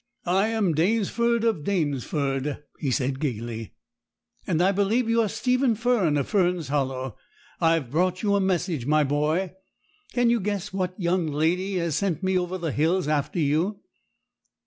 'I am Danesford, of Danesford,' he said gaily; 'and I believe you are Stephen Fern, of Fern's Hollow. I've brought you a message, my boy. Can you guess what young lady has sent me over the hills after you?'